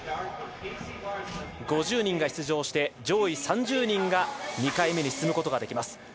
５０人が出場して上位３０人が２回目に進めます。